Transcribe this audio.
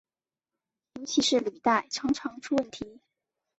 尤其是履带常常出问题。